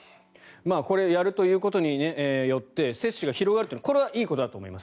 これやるということによって接種が広がるというのはこれはいいことだと思います。